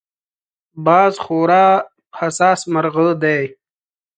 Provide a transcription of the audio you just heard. باز خورا حساس مرغه دی